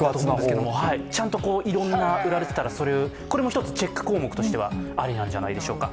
ちゃんといろいろ売られてたら、これも１つ、チェック項目としてはありなんじゃないでしょうか。